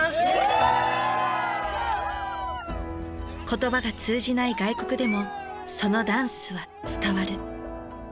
言葉が通じない外国でもそのダンスは伝わる。